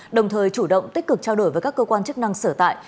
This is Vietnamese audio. đồng thời chủ động tích cực trao đổi với các cơ quan chức năng sở tại